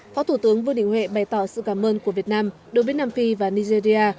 phó thủ tướng vương đình huệ bày tỏ sự cảm ơn của việt nam đối với nam phi và nigeria